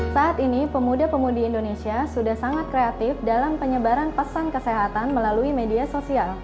saat ini pemuda pemudi indonesia sudah sangat kreatif dalam penyebaran pesan kesehatan melalui media sosial